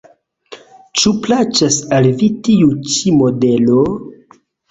Ĉu plaĉas al vi tiu ĉi modelo?